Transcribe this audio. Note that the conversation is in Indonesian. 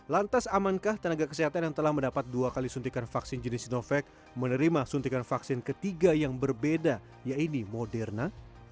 lantas amankah tenaga kesehatan yang telah mendapat dua kali suntikan vaksin jenis sinovac menerima suntikan vaksin ketiga yang berbeda yaitu moderna